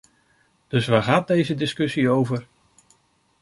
Dus waar gaat deze discussie over?